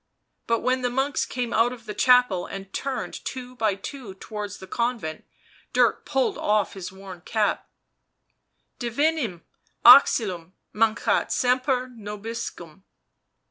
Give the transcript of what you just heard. But when the monks came out of the chapel and turned two by two towards the convent, Dirk pulled off his worn cap :" Divinum auxilium maneat semper nobiscum."